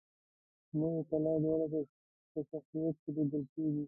نوې ښکلا دواړه په شخصیت کې لیدل کیږي.